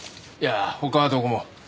ああ他はどこも。